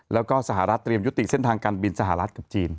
แล้วก็สหรัฐเตรียมยุติเส้นทางการบินสหรัฐกับจีน